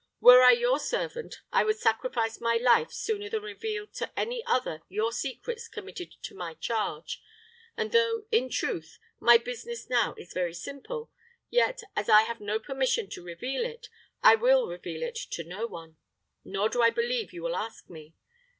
Were I your servant, I would sacrifice my life sooner than reveal to any other your secrets committed to my charge; and though, in truth, my business now is very simple, yet, as I have no permission to reveal it, I will reveal it to no one; nor do I believe you will ask me.